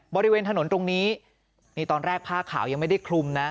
บริเวณถนนตรงนี้นี่ตอนแรกผ้าขาวยังไม่ได้คลุมนะ